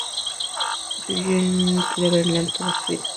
Vivió en Cleveland toda su vida.